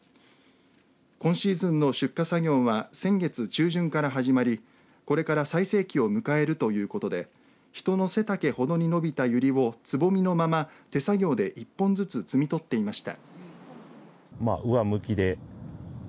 今シーズンの出荷作業は先月中旬から始まりこれから最盛期を迎えるということで人の背丈ほどに伸びたユリをつぼみのまま手作業で１本ずつ摘み取っていました。